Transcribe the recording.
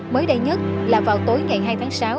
mới đây nhất là vào tối ngày hai tháng sáu